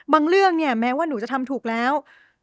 เรื่องเนี่ยแม้ว่าหนูจะทำถูกแล้ว